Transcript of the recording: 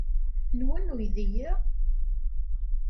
Nwen uydi-a?